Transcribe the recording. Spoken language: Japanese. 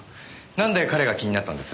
なんで彼が気になったんです？